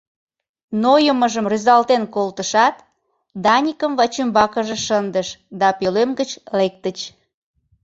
Нойымыжым рӱзалтен колтышат, Даникым вачӱмбакыже шындыш да пӧлем гыч лектыч.